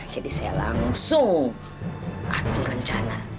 jadi saya langsung atur rencana